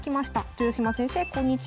「豊島先生こんにちは。